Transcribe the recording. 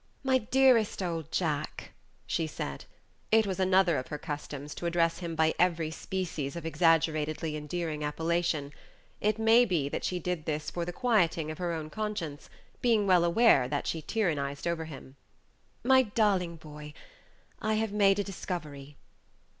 "My dearest old Jack," she said it was another of her customs to address him by every species of exaggeratedly endearing appellation; it may be that she did this for the quieting of her own conscience, being well aware that she tyrannized over him "my darling boy, I have made a discovery."